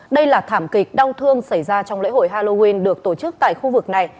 đây là thảm kịch đau thương xảy ra trong lễ hội halloween được tổ chức tại khu vực này